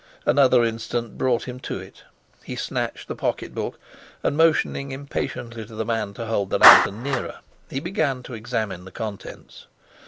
Another instant brought him to it. He snatched the pocketbook, and, motioning impatiently to the man to hold the lantern nearer, he began to examine the contents.